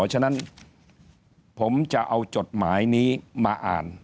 ฉะนั้นผมจะเอาจดหมายนี้มาอ่าน